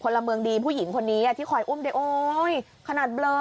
ละเมืองดีผู้หญิงคนนี้ที่คอยอุ้มได้โอ๊ยขนาดเบลอ